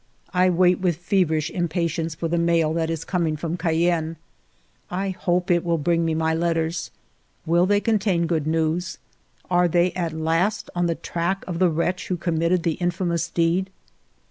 I wait with feverish impa tience for the mail that is coming from Cayenne. 158 FIVE YEARS OF MY LIFE I hope it will bring me my letters. Will they contain good news ? Are they at last on the track of the wretch who committed the infamous deed